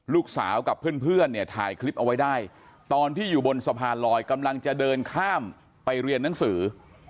ลูกสาวกับเพื่อนเนี่ยถ่ายคลิปเอาไว้ได้ตอนที่อยู่บนสะพานลอยกำลังจะเดินข้ามไปเรียนหนังสือ